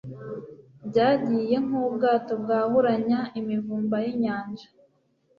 byagiye nk'ubwato bwahuranya imivumba y'inyanja